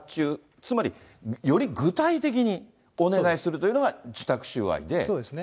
つまり、より具体的にお願いするというのが、そうですね。